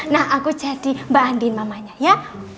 nah aku jadi mbak andi mamanya ya